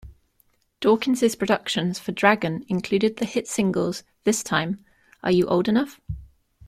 Dawkins' productions for Dragon included the hit singles "This Time", "Are You Old Enough?